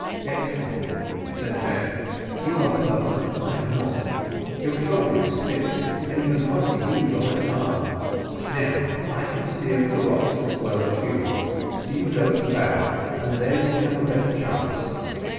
"Gascoigne," said Jack, "you are hurt and I am not; your shoulder is stiff, and you can hardly move your left arm. Now I can steer for the rocks as well as you. Do you go to the bow, and there you will have a better chance.